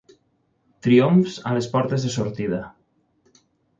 Triomfs a les portes de sortida.